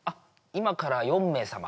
今から４名様？